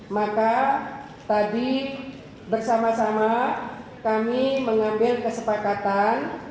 maka tadi bersama sama kami mengambil kesepakatan